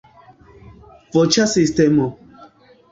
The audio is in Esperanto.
Voĉa sistemo.